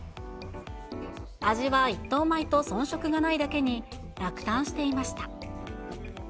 味は一等米と遜色がないだけに、落胆していました。